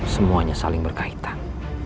semuanya saling berkaitan